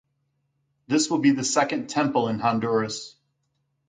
This will be the second temple in Honduras.